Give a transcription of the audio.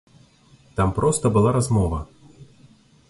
Там проста была размова.